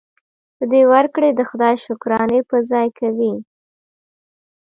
په دې ورکړې د خدای شکرانې په ځای کوي.